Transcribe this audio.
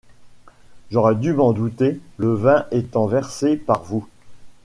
J’aurais dû m’en douter, le vin étant versé par vous.